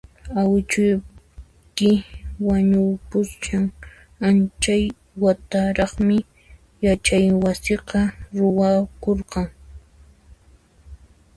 Awichuyki wañupushan anchay wataraqmi yachaywasiqa ruwakurqan